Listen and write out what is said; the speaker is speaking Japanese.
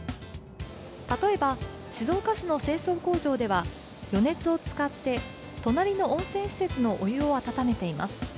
例えば、静岡市の清掃工場では余熱を使って隣の温泉施設のお湯を温めています。